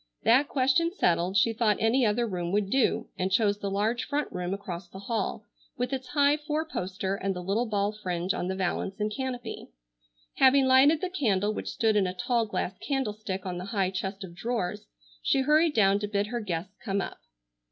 That question settled, she thought any other room would do, and chose the large front room across the hall with its high four poster and the little ball fringe on the valance and canopy. Having lighted the candle which stood in a tall glass candlestick on the high chest of drawers, she hurried down to bid her guests come up.